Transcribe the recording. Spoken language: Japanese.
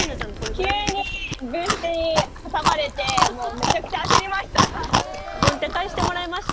急に軍手、挟まれて、めちゃくちゃ焦りました。